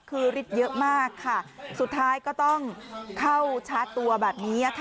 คือฤทธิ์เยอะมากค่ะสุดท้ายก็ต้องเข้าชาร์จตัวแบบนี้